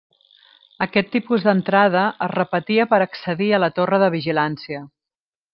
Aquest tipus d'entrada es repetia per accedir a la torre de vigilància.